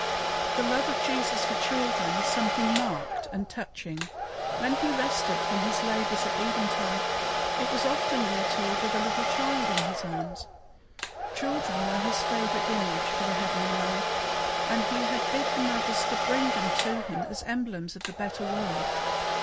The love of Jesus for children is something marked and touching. When he rested from his labors at eventide, it was often, we are told, with a little child in his arms children were his favorite image for the heavenly life, and he had bid the mothers to bring them to him as emblems of the better world.